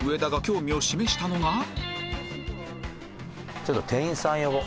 ちょっと店員さん呼ぼう。